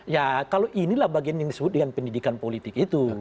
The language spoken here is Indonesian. ya kalau inilah bagian yang disebut dengan pendidikan politik itu